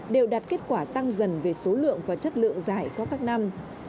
đều đạt kết quả tăng dần về số lượng và chất lượng giải qua các năm